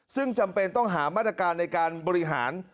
ซึ่งจำเป็นต้องหามาตรการในการบริหาร